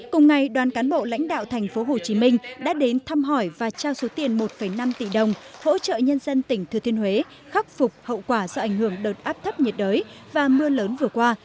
cùng ngày đoàn cán bộ lãnh đạo thành phố hồ chí minh đã đến thăm hỏi và trao số tiền một năm tỷ đồng hỗ trợ nhân dân tỉnh thừa thiên huế khắc phục hậu quả do ảnh hưởng đợt áp thấp nhiệt đới và mưa lớn vừa qua